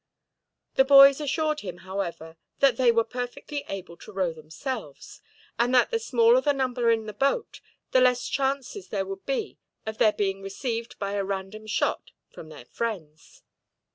The boys assured him, however, that they were perfectly able to row themselves; and that the smaller the number in the boat, the less chances there would be of their being received by a random shot from their friends.